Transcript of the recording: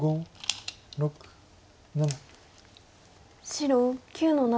白９の七。